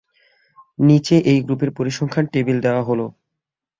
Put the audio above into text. নিচে এই গ্রুপের পরিসংখ্যান টেবিল দেওয়া হলো।